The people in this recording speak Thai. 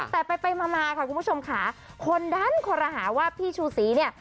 แต่ไปมาค่ะคุณผู้ชมค่ะคนดันคอรหาว่าพี่ชูศรีเนี่ย